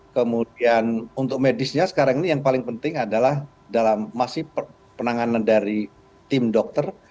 kemudian untuk medisnya sekarang ini yang paling penting adalah dalam masih penanganan dari tim dokter